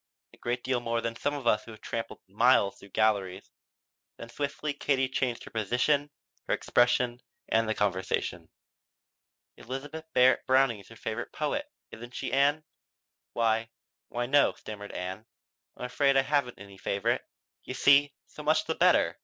A great deal more than some of us who've tramped miles through galleries." Then swiftly Katie changed her position, her expression and the conversation. "Elizabeth Barrett Browning is your favorite poet, isn't she, Ann?" "Why why no," stammered Ann. "I'm afraid I haven't any favorite. You see " "So much the better.